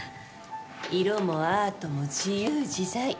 色もアートも自由自在。